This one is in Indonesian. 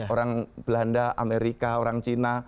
orang belanda amerika orang cina